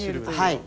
はい。